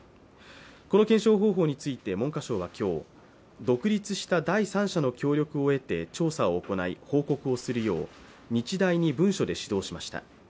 この検証方法について、文科省は今日、独立した第三者の協力を得て調査を行い、報告をするよう日大に文書で指導しました。